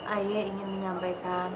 ayah ingin menyampaikan